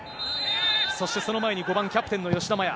そしてその前に、５番キャプテンの吉田麻也。